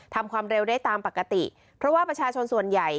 ทำความเร็วได้ตามปกติเพราะว่าประชาชนส่วนใหญ่